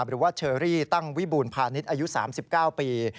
หรือว่าเชอรี่ตั้งวิบูรพาณิชย์อายุ๓๙ปี